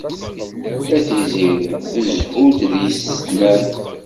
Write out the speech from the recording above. A Tiziri, zzhu d yessetma-m.